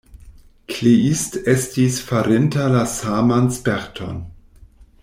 Kleist estis farinta la saman sperton.